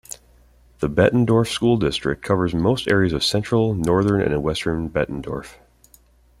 The Bettendorf School District covers most areas of central, northern and western Bettendorf.